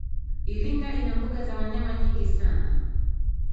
iringa ina mbuga za wanyama nyingi sana